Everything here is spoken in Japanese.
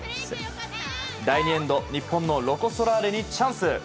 第２エンド、日本のロコ・ソラーレにチャンス。